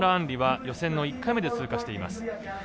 りは予選の１回目で通過しています。